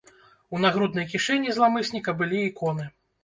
У нагруднай кішэні зламысніка былі іконы.